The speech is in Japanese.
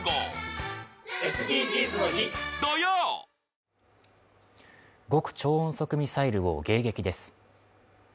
新「和紅茶」極超音速ミサイルを迎撃です。